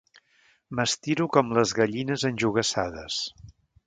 M'estiro com les gallines enjogassades.